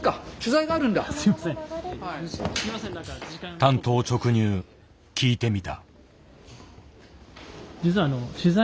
単刀直入聞いてみた。